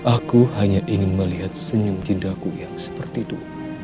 aku hanya ingin melihat senyum jendaku yang seperti itu